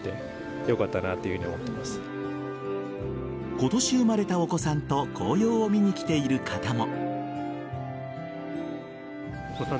今年生まれたお子さんと紅葉を見に来ている方も。